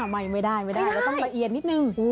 ไม่ได้เราต้องละเอียดนิดนึง